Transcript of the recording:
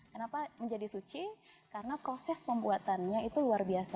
kenapa menjadi suci karena proses pembuatannya itu luar biasa